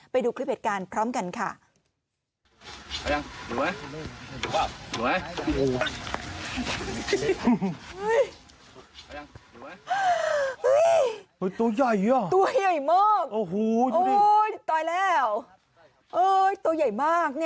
ไปดูคลิปเหตุการณ์พร้อมกันค่ะ